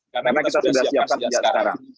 karena kita sudah siapkan sejak sekarang